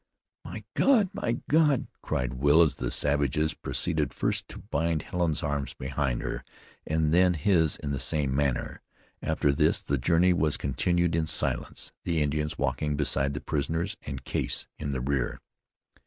"My God! My God!" cried Will as the savages proceeded first to bind Helen's arms behind her, and then his in the same manner. After this the journey was continued in silence, the Indians walking beside the prisoners, and Case in the rear.